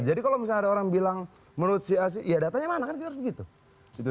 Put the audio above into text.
jadi kalau misalnya ada orang bilang menurut si asyik ya datanya mana kan kita harus begitu